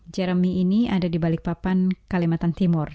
jeremy ini ada di balikpapan kalimantan timur